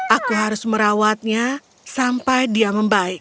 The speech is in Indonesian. aku harus merawatnya sampai dia membaik